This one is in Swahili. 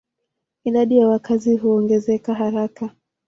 Idadi ya wakazi huongezeka haraka.